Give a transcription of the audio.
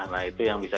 nah itu yang bisa